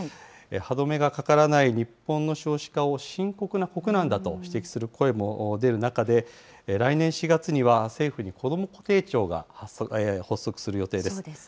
歯止めがかからない日本の少子化を深刻な国難だと指摘する声も出る中で、来年４月には、政府にこども家庭庁が発足する予定です。